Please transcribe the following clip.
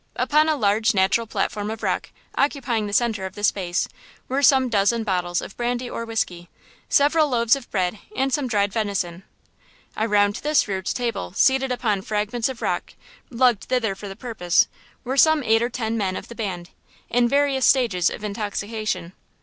Upon a large natural platform of rock, occupying the center of the space, were some dozen bottles of brandy or whiskey, several loaves of bread and some dried venison. Around this rude table, seated upon fragments of rock, lugged thither for the purpose, were some eight or ten men of the band, in various stages of intoxication.